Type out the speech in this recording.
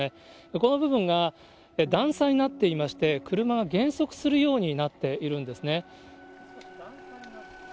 この部分が、段差になっていまして、車が減速するようになっているんですね。